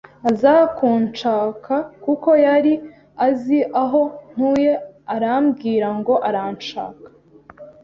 aza kuncaka kuko yari azi aho ntuye arambwira ngo aranshaka